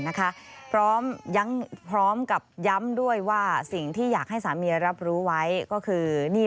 นะคะพร้อมยังพร้อมกับย้ำด้วยว่าสิ่งที่อยากให้สามีรับรู้ไว้ก็คือนี่